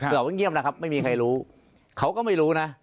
เราก็เงียบแล้วครับไม่มีใครรู้เขาก็ไม่รู้นะ